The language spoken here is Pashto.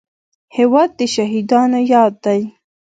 هېواد د شهیدانو یاد دی.